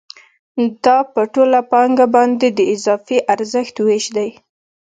دا په ټوله پانګه باندې د اضافي ارزښت وېش دی